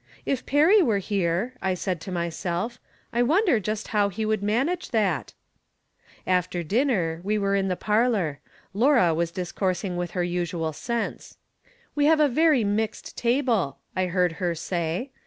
" If Perry were here," I said to myself, " I wonder just how he would manage that ?" After dinner we were in the parlor. Laura was discoursing with her usual sense. " We have a very mixed table," I heard her say.